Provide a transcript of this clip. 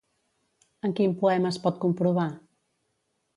En quin poema es pot comprovar?